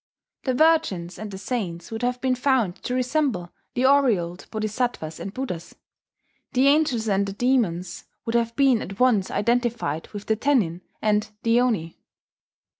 The virgins and the saints would have been found to resemble the aureoled Boddhisattvas and Buddhas; the angels and the demons would have been at once identified with the Tennin and the Oni.